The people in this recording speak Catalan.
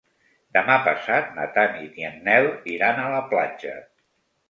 Demà passat na Tanit i en Nel iran a la platja.